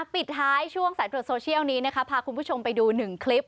ปิดท้ายช่วงสายตรวจโซเชียลนี้นะคะพาคุณผู้ชมไปดูหนึ่งคลิป